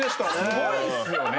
すごいっすよね。